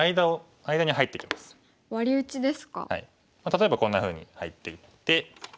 例えばこんなふうに入っていって。